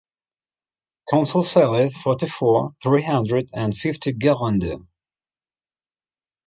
Consuls Alley, forty-four, three hundred and fifty Guérande.